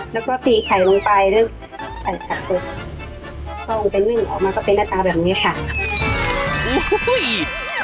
แล้วก็ตีไข่ลงไปแล้วก็ใส่จากทุกข์